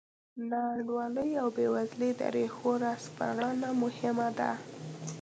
ناانډولۍ او بېوزلۍ د ریښو راسپړنه مهمه ده.